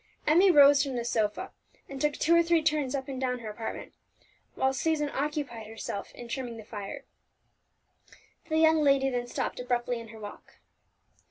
Emmie rose from the sofa, and took two or three turns up and down her apartment; while Susan occupied herself in trimming the fire. The young lady then stopped abruptly in her walk.